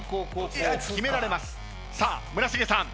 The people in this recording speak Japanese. さあ村重さん。